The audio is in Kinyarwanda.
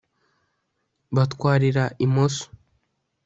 batwarira imoso